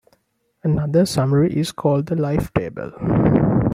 Another summary is called the life table.